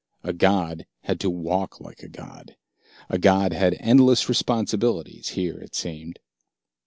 A god had to walk like a god. A god had endless responsibilities here, it seemed.